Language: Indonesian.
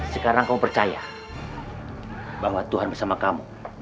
sekarang kamu percaya bahwa tuhan bersama kamu